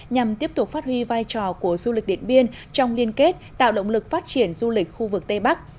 nhằm tiếp tục phát huy vai trò của du lịch điện biên trong liên kết tạo động lực phát triển du lịch khu vực tây bắc